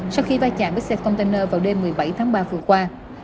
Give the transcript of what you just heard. sau khi va chạm với xe container vào đêm một mươi bảy tháng ba vừa qua